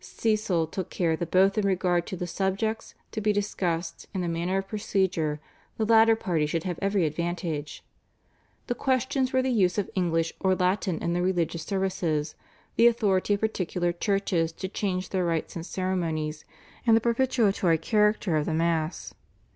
Cecil took care that both in regard to the subjects to be discussed and the manner of procedure the latter party should have every advantage. The questions were the use of English or Latin in the religious services, the authority of particular churches to change their rites and ceremonies, and the propitiatory character of the Mass.